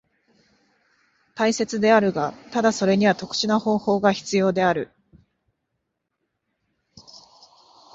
大切であるが、ただそれには特殊な方法が必要である。